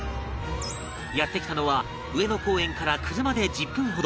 やって来たのは上野公園から車で１０分ほど